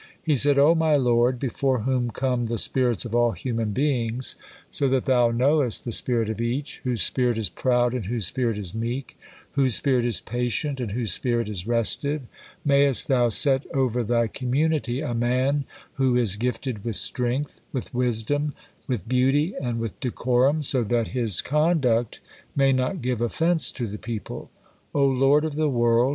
He said: "O my Lord, before whom come the spirits of all human beings, so that Thou knowest the spirit of each whose spirit is proud, and whose spirit is meek; whose spirit is patient and whose spirit is restive; mayest Thou set over Thy community a man who is gifted with strength, with wisdom, with beauty, and with decorum, so that his conduct may not give offense to the people. O Lord of the world!